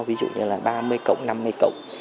ví dụ như là ba mươi cộng năm mươi cộng